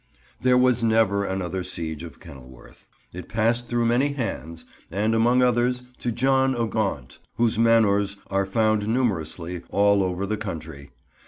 There was never another siege of Kenilworth. It passed through many hands, and among others to John o' Gaunt, whose manors are found numerously, all over the country.